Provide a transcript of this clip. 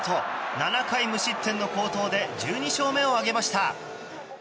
７回無失点の好投で１２勝目を挙げました。